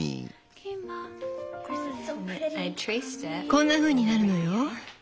こんなふうになるのよ。